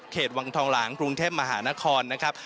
วังทองหลางกรุงเทพมหานครนะครับ